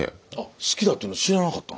好きだっていうの知らなかったん？